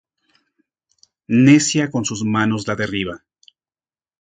necia con sus manos la derriba.